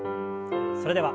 それでは１。